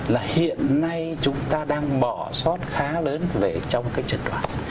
là hiện nay chúng ta đang bỏ sót khá lớn về trong cái trận đoán